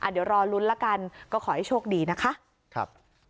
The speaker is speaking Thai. เดี๋ยวรอลุ้นละกันก็ขอให้โชคดีนะคะ